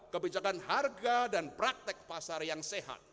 kebijakan harga dan praktek pasar yang sehat